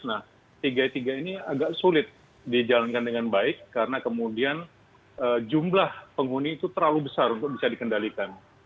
nah tiga tiga ini agak sulit dijalankan dengan baik karena kemudian jumlah penghuni itu terlalu besar untuk bisa dikendalikan